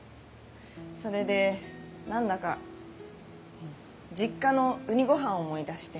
それで何だか実家のウニごはん思い出して。